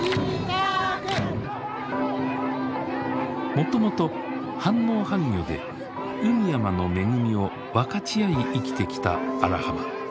もともと半農半漁で海山の恵みを分かち合い生きてきた荒浜。